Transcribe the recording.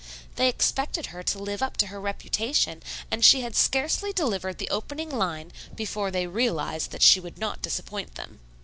They expected her to live up to her reputation and she had scarcely delivered the opening line before they realized that she would not disappoint them.